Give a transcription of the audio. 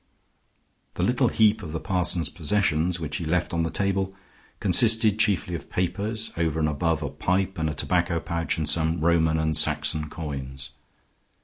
The little heap of the parson's possessions which he left on the table consisted chiefly of papers, over and above a pipe and a tobacco pouch and some Roman and Saxon coins.